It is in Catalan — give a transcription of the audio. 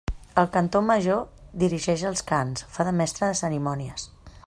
El cantor major dirigix els cants, fa de mestre de cerimònies.